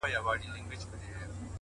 هوښیار انسان هره ورځ وده کوي’